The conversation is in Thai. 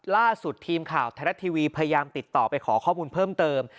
ล่าสุดทีมข่าวไทยรัฐทีวีพยายามติดต่อไปขอข้อมูลเพิ่มเติม